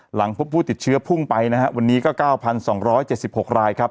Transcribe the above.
หลังพวกผู้ติดเชื้อพุ่งไปนะฮะวันนี้ก็เก้าพันสองร้อยเจ็ดสิบหกรายครับ